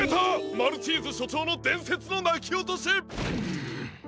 マルチーズしょちょうのでんせつのなきおとし！